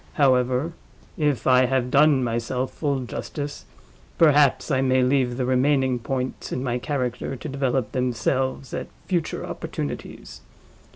—However, if I have done myself full justice, perhaps I may leave the remaining points in my character to develop themselves at future opportunities.